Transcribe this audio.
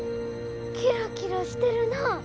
キラキラしてるな。